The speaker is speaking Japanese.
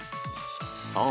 そう！